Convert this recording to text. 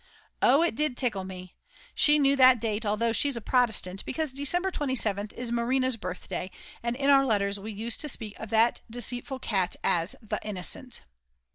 Oh it did tickle me. She knew that date although she's a Protestant because December 27th is Marina's birthday, and in our letters we used to speak of that deceitful cat as "The Innocent."